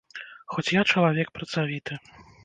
Хоць я чалавек працавіты.